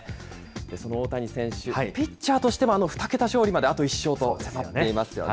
その大谷選手、ピッチャーとしても２桁勝利まであと１勝と迫っていますよね。